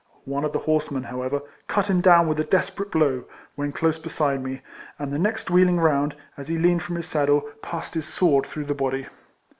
One of the horsemen, however, cut him down with a desperate blow, when close beside me, and the next wheeling round, as he leaned from his sad dle, passed his sword through the body.